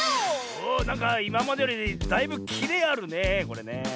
おなんかいままでよりだいぶキレあるねこれねえ。